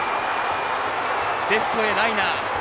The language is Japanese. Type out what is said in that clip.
レフトへライナー。